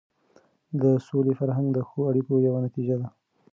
د سولې فرهنګ د ښو اړیکو یوه نتیجه ده.